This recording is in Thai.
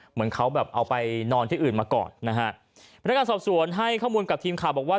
เหมือนเขาแบบเอาไปนอนที่อื่นมาก่อนนะฮะพนักงานสอบสวนให้ข้อมูลกับทีมข่าวบอกว่า